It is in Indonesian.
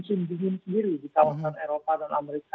musim dingin sendiri di kawasan eropa dan amerika